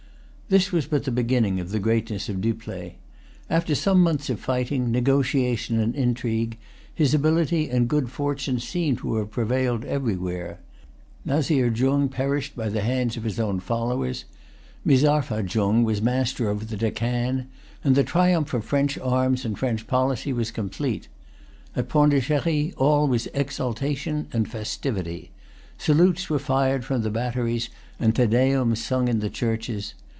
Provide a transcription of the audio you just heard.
This was but the beginning of the greatness of Dupleix. After some months of fighting, negotiation and intrigue, his ability and good fortune seemed to have prevailed everywhere. Nazir Jung perished by the hands of his own followers; Mirzapha Jung was master of the Deccan; and the triumph of French arms and French policy was complete. At Pondicherry all was exultation and festivity. Salutes were fired from the batteries, and Te Deum sung in the churches.